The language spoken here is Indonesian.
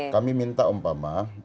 kami minta umpama